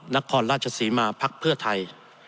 นครราชสีมาพักเพื่อไทย